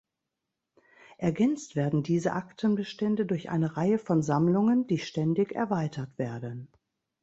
Ergänzt werden diese Aktenbestände durch eine Reihe von Sammlungen, die ständig erweitert werden.